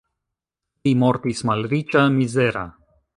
Li mortis malriĉa, mizera.